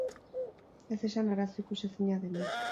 Ez esan arazo ikusezina denik.